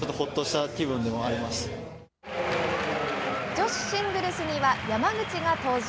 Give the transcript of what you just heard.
女子シングルスには山口が登場。